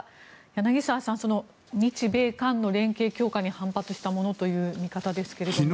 柳澤さん、日米韓の連携強化に反発したものという見方ですけれども。